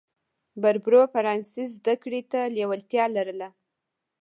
بربرو فرانسې زده کړې ته لېوالتیا لرله.